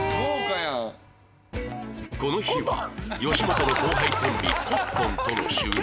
この日は吉本の後輩コンビコットンとの収録